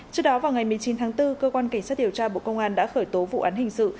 trước đó vào ngày một mươi chín tháng bốn cơ quan cảnh sát điều tra bộ công an đã khởi tố vụ án hình sự